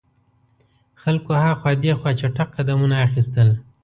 خلکو هاخوا دیخوا چټګ قدمونه اخیستل.